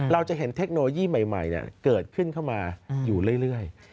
เราจะเห็นเทคโนโลยีใหม่เกิดขึ้นเข้ามาอยู่เรื่อย